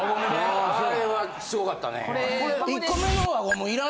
あれはすごかったね。